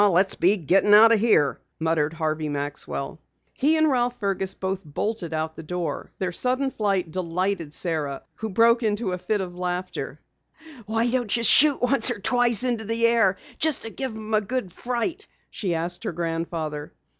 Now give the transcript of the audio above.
"Let's be getting out of here," muttered Harvey Maxwell. He and Ralph Fergus both bolted out of the door. Their sudden flight delighted Sara who broke into a fit of laughter. "Why don't you shoot once or twice into the air just to give 'em a good fright?" she asked her grandfather.